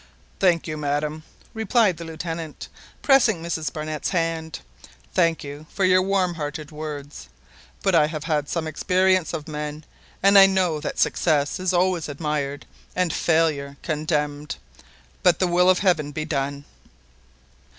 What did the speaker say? "Thank you, madam," replied the Lieutenant, pressing Mrs Barnett's hand, "thank you for your warm hearted words. But I have had some experience of men, and I know that success is always admired and failure condemned. But the will of Heaven be done!"